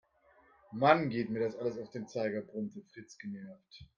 Mann, geht mir das alles auf den Zeiger, brummte Fritz genervt.